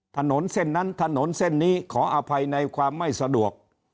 ถนนเส้นนั้นถนนเส้นนี้ขออภัยในความไม่สะดวก